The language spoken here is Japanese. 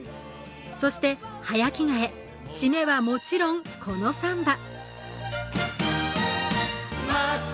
そして、早着替え、しめはもちろんこのサンバ。